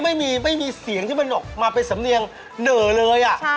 ไม่มีไม่มีเสียงที่มันออกมาเป็นสำเนียงเหนอเลย